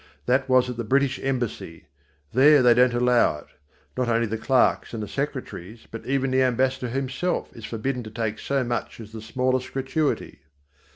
That was at the British Embassy. There they don't allow it. Not only the clerks and the secretaries, but even the Ambassador himself is forbidden to take so much as the smallest gratuity.